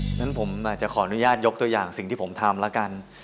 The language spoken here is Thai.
ฉะนั้นผมจะขออนุญาตยกตัวอย่างสิ่งที่ผมทำแล้วกัน